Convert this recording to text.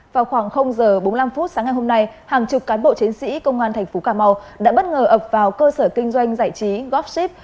vào khoảng h bốn mươi năm sáng ngày hôm nay hàng chục cán bộ chiến sĩ công an tp cà mau đã bất ngờ ập vào cơ sở kinh doanh giải trí govshift